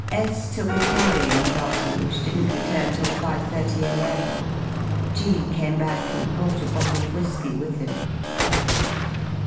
S took a carrying party, which didn't return till 5.30 a.m. G came back and brought a bottle of whisky with him.